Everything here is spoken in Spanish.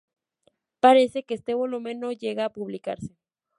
Parece que este volumen no llegó a publicarse.